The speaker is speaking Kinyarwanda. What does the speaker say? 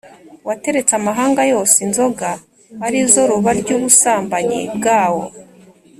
wateretse amahanga yose inzoga ari zo ruba ry’ubusambanyi bwawo.